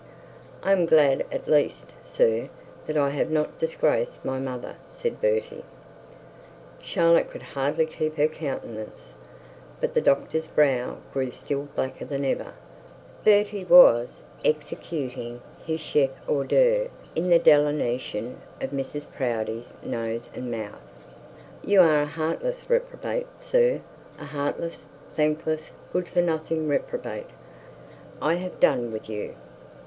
'I am glad at least sir, that I have not disgraced my mother,' said Bertie. Charlotte could hardly keep her countenance; but the doctor's brow grew still blacker than ever. Bertie was executing his chef d'ouvre in the delineation of Mrs Proudie's nose and mouth. 'You are a heartless reprobate, sir; a heartless, thankless, good for nothing reprobate. I have done with you.